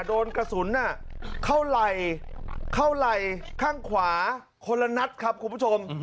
โดนกระสุนเข้าไหล่เข้าไหล่ข้างขวาคนละนัดครับคุณผู้ชม